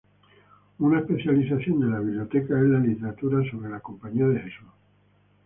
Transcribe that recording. Una especialización de la biblioteca es la literatura sobre la Compañía de Jesús.